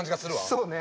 そうね。